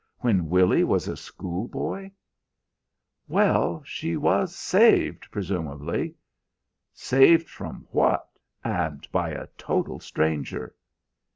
When Willy was a schoolboy." "Well, she was saved, presumably." "Saved from what, and by a total stranger!"